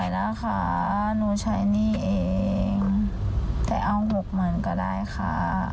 ช่วยหนูนะคะหนูใช้นี่เองแต่เอาหกเหมือนก็ได้ค่ะ